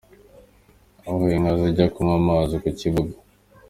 Aho inka zijya kunywa amazi : ku Ibuga.